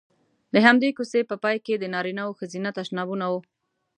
د همدې کوڅې په پای کې د نارینه او ښځینه تشنابونه وو.